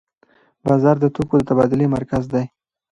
بازار د توکو د تبادلې مرکز دی.